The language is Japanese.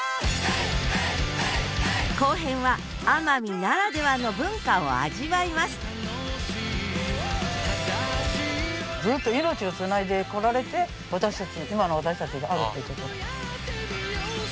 後編は奄美ならではの文化を味わいますずっと命をつないでこられて私たち今の私たちがあるっていうこと。